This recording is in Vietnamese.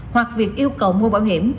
hoặc việc yêu cầu mua bảo hiểm